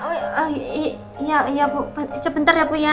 oh iya iya bu sebentar ya bu ya